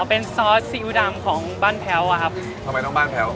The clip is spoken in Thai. เป็นซอสซีอิ๊วดำของบ้านแพ้วอะครับทำไมต้องบ้านแพ้ว